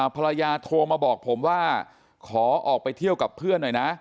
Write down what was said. ภรรยาโทรมาบอกผมว่าขอออกไปเที่ยวกับเพื่อนหน่อยนะ